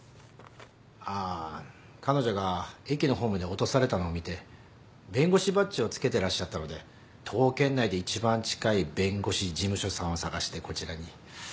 ああ彼女が駅のホームで落とされたのを見て弁護士バッジを着けてらっしゃったので徒歩圏内で一番近い弁護士事務所さんを探してこちらに。